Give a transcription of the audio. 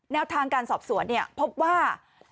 แนวทางการสอบสวนพบว่า